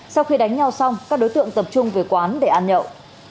sau khi đánh nhau xong các đối tượng tập trung về quán để ăn nhậu